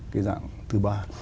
cái dạng thứ ba